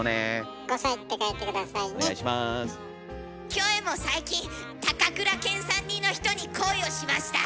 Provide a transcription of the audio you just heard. キョエも最近高倉健さん似の人に恋をしました。